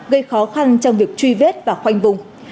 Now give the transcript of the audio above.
gây khó khăn trong việc truy vết và khoanh vùng